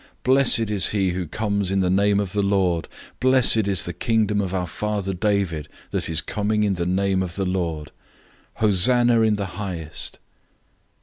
Blessed is he who comes in the name of the Lord!{Psalm 118:25 26} 011:010 Blessed is the kingdom of our father David that is coming in the name of the Lord! Hosanna in the highest!"